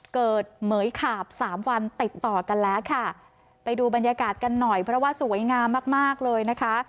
เหมือยขาบสามวันติดต่อกันแล้วค่ะไปดูบรรยากาศกันหน่อยเพราะว่าสวยงามมากมากเลยนะคะ